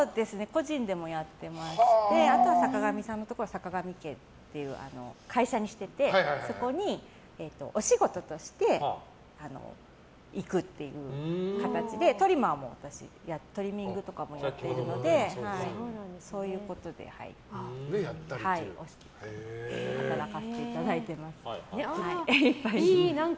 個人でもやってましてあとは坂上さんのところはさかがみ家っていう会社にしててそこにお仕事として行くっていう形でトリミングとかも私やっているので働かせていただいてます。